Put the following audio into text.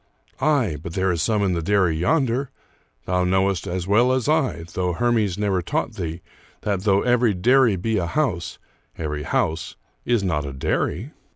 " Aye, but there is some in the dairy yonder. Thou knowest as well as I, though Hermes never taught thee, that, though every dairy be a house, every house is not a dairy."